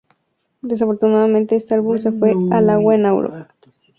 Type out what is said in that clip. Desafortunadamente este álbum se fue al agua en Europa.